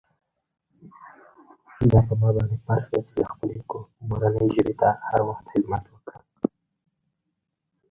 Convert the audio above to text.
His wealth would have entitled him to the enjoyment of a larger establishment.